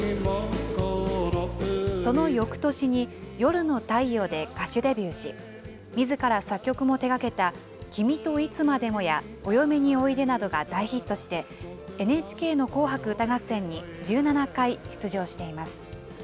そのよくとしに夜の太陽で歌手デビューし、みずから作曲も手がけた、君といつまでもやお嫁においでなどが大ヒットして、ＮＨＫの紅白歌合戦に１７回出場しています。